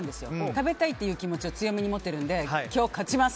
食べたい気持ちを強めに持ってるので今日、勝ちます！